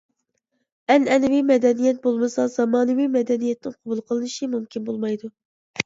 ئەنئەنىۋى مەدەنىيەت بولمىسا زامانىۋى مەدەنىيەتنىڭ قوبۇل قىلىنىشى مۇمكىن بولمايدۇ.